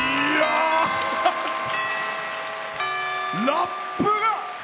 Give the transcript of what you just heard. ラップが！